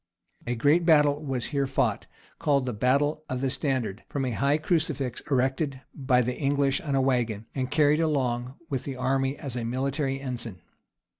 A great battle was here fought, called the battle of the Standard, from a high crucifix, erected by the English on a wagon, and carried along with the army as a military ensign.